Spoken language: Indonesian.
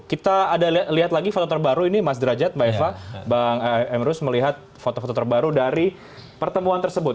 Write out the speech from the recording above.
kita ada lihat lagi foto terbaru ini mas derajat mbak eva bang emrus melihat foto foto terbaru dari pertemuan tersebut